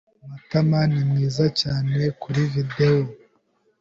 Matama ni mwiza cyane kuri videwo.